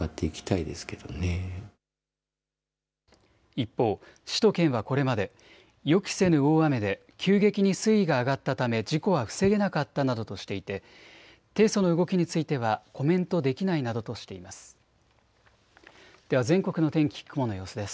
一方、市と県はこれまで予期せぬ大雨で急激に水位が上がったため事故は防げなかったなどとしていて提訴の動きについてはコメントできないなどとしています。